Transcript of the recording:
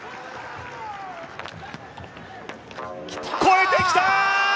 越えてきた！